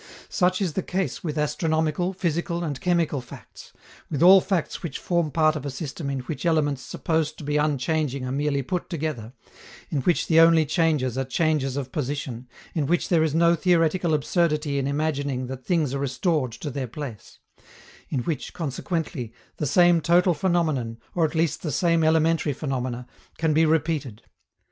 Such is the case with astronomical, physical and chemical facts, with all facts which form part of a system in which elements supposed to be unchanging are merely put together, in which the only changes are changes of position, in which there is no theoretical absurdity in imagining that things are restored to their place; in which, consequently, the same total phenomenon, or at least the same elementary phenomena, can be repeated.